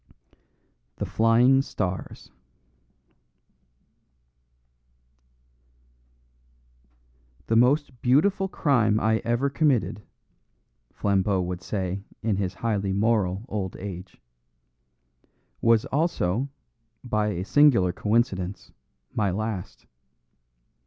The Flying Stars "The most beautiful crime I ever committed," Flambeau would say in his highly moral old age, "was also, by a singular coincidence, my last.